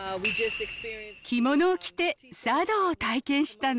着物を着て、茶道を体験したの。